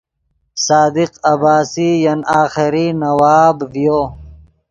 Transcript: صادق عباسی ین آخری نواب ڤیو